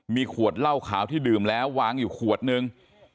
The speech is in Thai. มีขวดเหล้าขาวที่ดื่มแล้ววางอยู่ขวดนึง